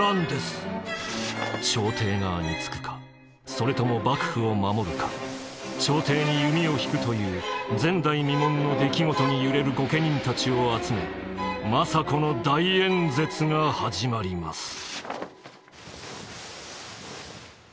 朝廷側につくかそれとも幕府を守るか朝廷に弓を引くという前代未聞の出来事に揺れる御家人たちを集め政子の大演説が始まります。